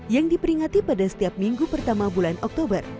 yang diperingati pada setiap minggu pertama bulan oktober